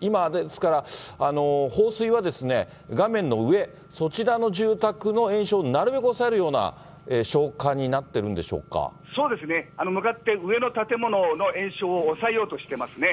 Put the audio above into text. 今、ですから、放水は画面の上、そちらの住宅の延焼をなるべく抑えるような消火になってるんでしそうですね、向かって上の建物の延焼を抑えようとしてますね。